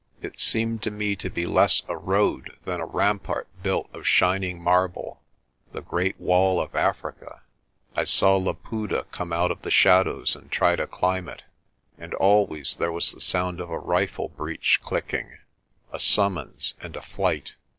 It seemed to me to be less a road than a rampart built of shining marble, the Great Wall of Africa. I saw Laputa come out of the shadows and try to climb it, and always there was the sound of a rifle breach clicking, a summons, and a flight.